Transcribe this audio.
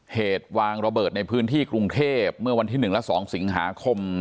เหตุวางระเบิดในพื้นที่กรุงเทพเมื่อวันที่๑และ๒สิงหาคม